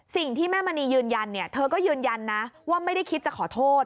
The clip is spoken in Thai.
สิ่งที่แม่มณียืนยันเนี่ยเธอก็ยืนยันนะว่าไม่ได้คิดจะขอโทษ